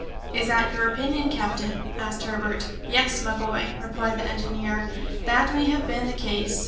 "Is that your opinion, captain?" asked Herbert. "Yes, my boy," replied the engineer, "that may have been the case.